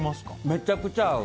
めちゃくちゃ合う。